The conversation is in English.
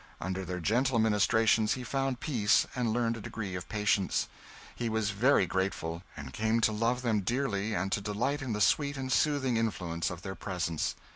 Under their gentle ministrations he found peace and learned a degree of patience. He was very grateful, and came to love them dearly and to delight in the sweet and soothing influence of their presence.